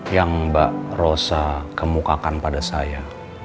yang mbak rosa kemukakan pada saya